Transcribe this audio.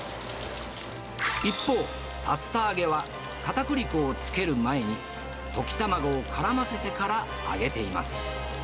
一方、竜田揚げはかたくり粉をつける前に溶き卵をからませてから揚げています。